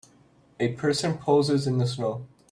A person poses in the snow.